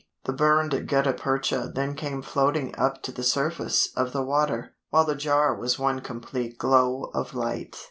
The burned gutta percha then came floating up to the surface of the water, while the jar was one complete glow of light.